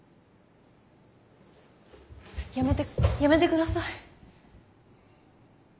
やめてッやめてください。